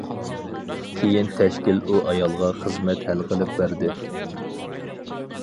كېيىن تەشكىل ئۇ ئايالغا خىزمەت ھەل قىلىپ بەردى.